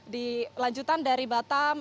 di lanjutan dari batam